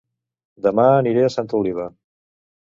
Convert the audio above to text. Dema aniré a Santa Oliva